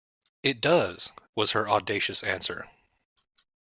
It does, was her audacious answer.